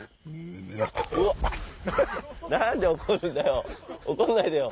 何で怒るんだよ